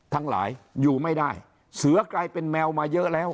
ทั้งหลายอยู่ไม่ได้เสือกลายเป็นแมวมาเยอะแล้ว